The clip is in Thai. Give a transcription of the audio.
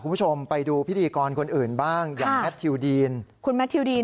คุณผู้ชมไปดูพิธีกรคนอื่นบ้างอย่างแมททิวดีนคุณแมททิวดีน